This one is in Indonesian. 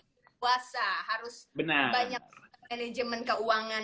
puasa harus banyak manajemen keuangan